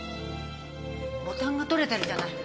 ボタンが取れてるじゃない。